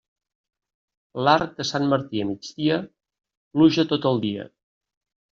L'arc de Sant Martí a migdia, pluja tot el dia.